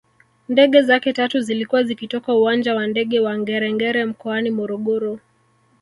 Ndege zake tatu zilikuwa zikitoka uwanja wa ndege wa Ngerengere mkoani Morogoro